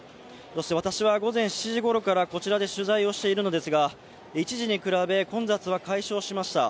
私は午前７時ごろからこちらで取材をしているのですが、一時に比べ混雑は解消しました。